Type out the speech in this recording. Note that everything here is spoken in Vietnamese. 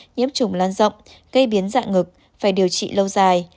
nhiễm chủng lan rộng gây biến dạng ngực phải điều trị lâu dài